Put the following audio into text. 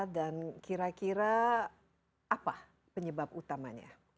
dan kira kira apa penyebab utamanya